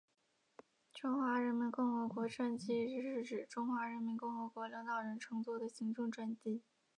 中华人民共和国专机是指中华人民共和国领导人乘坐的行政专机。